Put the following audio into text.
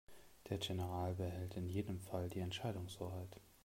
Der General behält in jedem Fall die Entscheidungshoheit.